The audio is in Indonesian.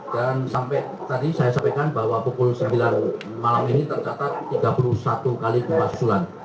dan sampai tadi saya sampaikan bahwa pukul sembilan malam ini tercatat tiga puluh satu kali gempa susulan